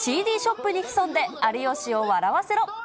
ＣＤショップに潜んで有吉を笑わせろ。